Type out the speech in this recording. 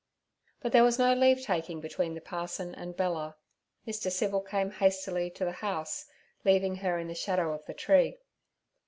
But there was no leave taking between the parson and Bella: Mr. Civil came hastily to the house, leaving her in the shadow of the tree.